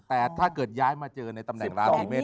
แต่ถ้าเกิดย้ายมาเจอในตำแหน่งราศีเมษ